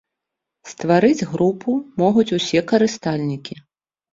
Ствараць групы могуць усе карыстальнікі.